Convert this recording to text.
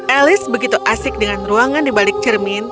elis begitu asik dengan ruangan di balik cermin